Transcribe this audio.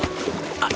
あっ。